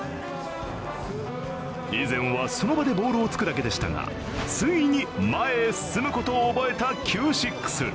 以前は、その場でボールをつくだけでしたが、ついに前へ進むことを覚えたＣＵＥ６。